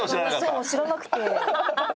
そう知らなくて。